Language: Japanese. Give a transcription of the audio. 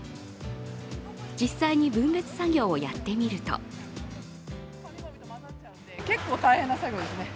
実際に分別作業をやってみると結構大変な作業ですね。